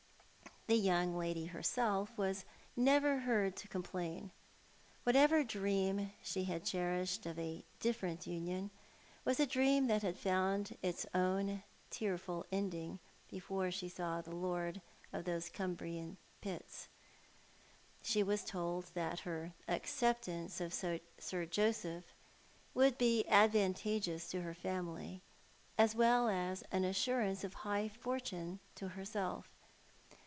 The young lady herself was never heard to complain. What ever dream she had cherished of a diflferent union was a dream that had found its own tearful ending before she saw the lord of those Cumbrian pits. She was told that her acceptance of Sir Joseph would be advantageous to her family, as well as an assurance of high fortune to herself.